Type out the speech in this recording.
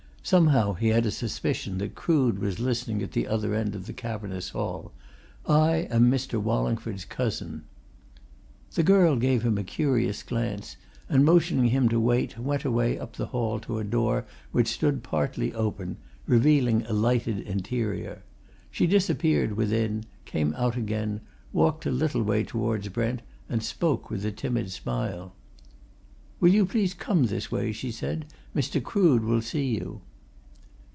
Somehow, he had a suspicion that Crood was listening at the other end of the cavernous hall. "I am Mr. Wallingford's cousin." The girl gave him a curious glance and motioning him to wait, went away up the hall to a door which stood partly open, revealing a lighted interior. She disappeared within; came out again, walked a little way towards Brent, and spoke with a timid smile. "Will you please come this way?" she said. "Mr. Crood will see you."